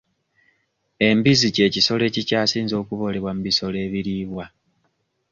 Embizzi ky'ekisolo ekikyasinze okuboolebwa mu bisolo ebiriibwa.